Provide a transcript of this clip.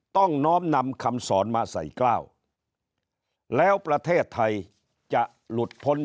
น้อมนำคำสอนมาใส่กล้าวแล้วประเทศไทยจะหลุดพ้น